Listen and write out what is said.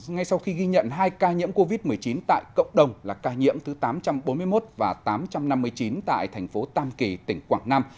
ngay sau khi ghi nhận hai ca nhiễm covid một mươi chín tại cộng đồng là ca nhiễm thứ tám trăm bốn mươi một và tám trăm năm mươi chín tại thành phố tam kỳ tỉnh quảng nam